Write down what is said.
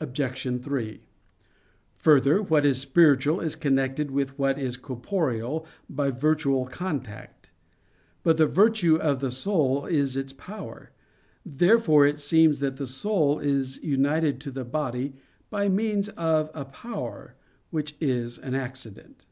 Obj. 3: Further, what is spiritual is connected with what is corporeal by virtual contact. But the virtue of the soul is its power. Therefore it seems that the soul is united to the body by means of a power, which is an accident.